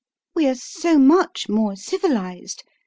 We're so much more civilised.